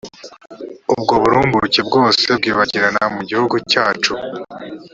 ubwo burumbuke bwose bwibagirane mu gihugu cyacu